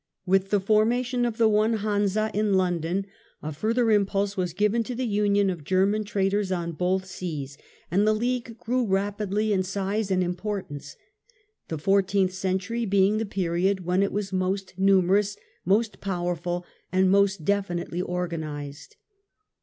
With the formation of the one liansa in London a further impulse was given to the union of German traders on both seas and the league grew rapidly 234 THE END OF THE MIDDLE AGE in size and importance, the fourteenth century being the period when it was most numerous, most powerful Chief mem and most definitely organised.